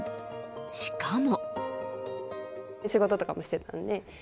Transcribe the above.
しかも。